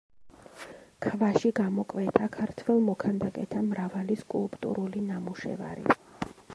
ქვაში გამოკვეთა ქართველ მოქანდაკეთა მრავალი სკულპტურული ნამუშევარი.